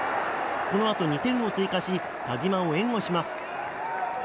このあと２点を追加し田嶋を援護します。